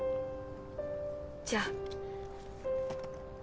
じゃあ